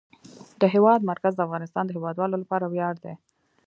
د هېواد مرکز د افغانستان د هیوادوالو لپاره ویاړ دی.